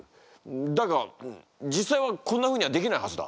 だが実際はこんなふうにはできないはずだ。